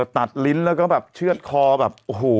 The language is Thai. ลิ้นแล้วก็แบบเชื่อดคอแบบโอ้โห